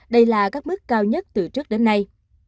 đây là các mức cao nhất từ trước đến nay